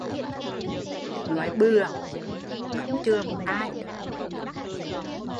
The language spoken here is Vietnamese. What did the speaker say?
Nói bừa quá, không chừa một ai